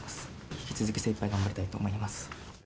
引き続き精いっぱい頑張りたいと思います。